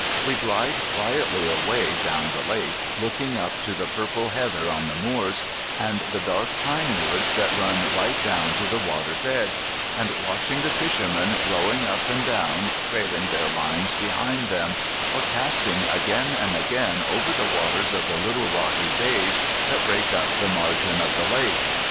We glide quietly away down the lake, looking up to the purple heather on the moors, and the dark pinewoods that run right down to the water's edge, and watching the fishermen rowing up and down trailing their lines behind them, or casting again and again over the waters of the little rocky bays that break the margin of the lake.